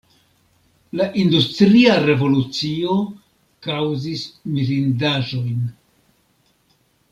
La industria revolucio kaŭzis mirindaĵojn.